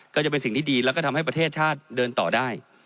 ก็จะเป็นสิ่งที่ดีแล้วก็ทำให้ประเทศชาติเดินต่อได้